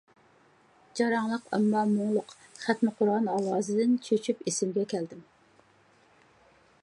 جاراڭلىق، ئەمما مۇڭلۇق خەتمە قۇرئان ئاۋازىدىن چۆچۈپ ئېسىمگە كەلدىم.